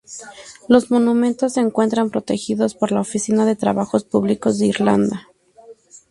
Los monumentos se encuentran protegidos por la Oficina de Trabajos Públicos de Irlanda.